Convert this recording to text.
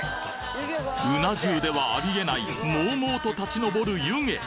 うな重ではありえないモウモウと立ち昇る湯気